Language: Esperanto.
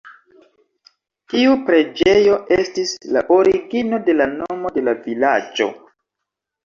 Tiu preĝejo estis la origino de la nomo de la vilaĝo.